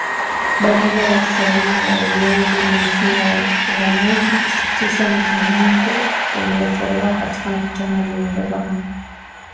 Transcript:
Baraza la usalama na ulinzi limesema uamuzi kusitisha mzungumzo ulitolewa katika mkutano ulioongozwa na kiongozi wa kijeshi.